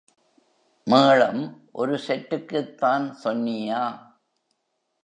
மேளம் ஒரு செட்டுக்குத்தான் சொன்னியா?